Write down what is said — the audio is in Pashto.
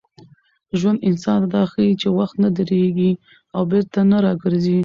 ژوند انسان ته دا ښيي چي وخت نه درېږي او بېرته نه راګرځي.